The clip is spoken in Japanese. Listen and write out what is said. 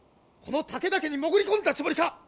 この武田家に潜り込んだつもりか！？